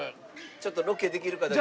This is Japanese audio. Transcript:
ちょっとロケできるかだけ。